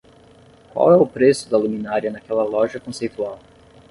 Qual é o preço da luminária naquela loja conceitual?